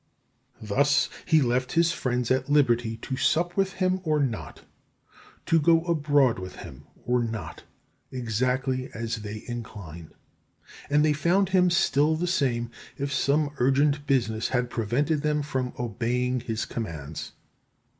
Thus he left his friends at liberty to sup with him or not, to go abroad with him or not, exactly as they inclined; and they found him still the same if some urgent business had prevented them from obeying his commands.